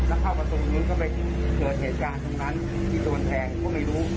แล้วเข้าไปตรงนี้เข้าไปเกิดเหตุการณ์ตรงนั้นที่โดนแทงเขาไม่รู้